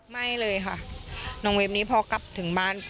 ไม่เลยค่ะน้องเวฟนี้พอกลับถึงบ้าน